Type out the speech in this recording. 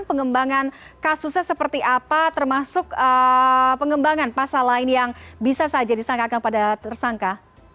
pengembangan kasusnya seperti apa termasuk pengembangan pasal lain yang bisa saja disangkakan pada tersangka